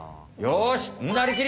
よし！